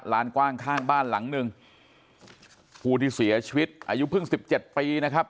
ลานกว้างข้างบ้านหลังหนึ่งผู้ที่เสียชีวิตอายุเพิ่งสิบเจ็ดปีนะครับ